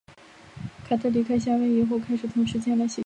卡特离开夏威夷后开始腾时间来写剧本。